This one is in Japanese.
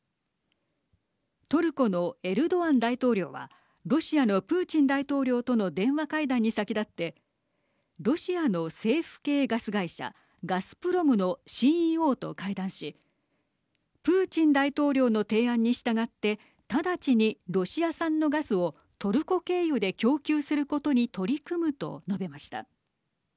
トルコのエルドアン大統領はロシアのプーチン大統領との電話会談に先立ってロシアの政府系ガス会社ガスプロムのＣＥＯと会談しプーチン大統領の提案に従って直ちにロシア産のガスをトルコ経由で供給することに取り組むと述べました。